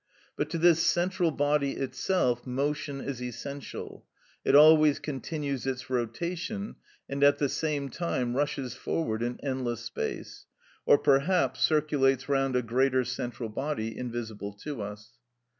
But to this central body itself motion is essential; it always continues its rotation, and at the same time rushes forward in endless space, or perhaps circulates round a greater central body invisible to us.